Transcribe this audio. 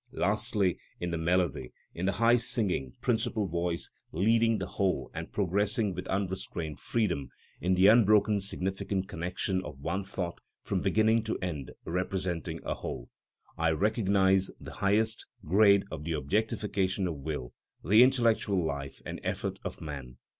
Lastly, in the melody, in the high, singing, principal voice leading the whole and progressing with unrestrained freedom, in the unbroken significant connection of one thought from beginning to end representing a whole, I recognise the highest grade of the objectification of will, the intellectual life and effort of man.